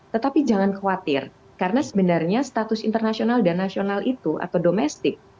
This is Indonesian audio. tetapi jangan khawatir karena sebenarnya status internasional dan nasional itu atau domestik